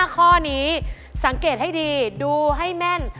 ข้อนี้สังเกตให้ดีดูให้แม่น